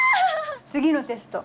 次のテスト。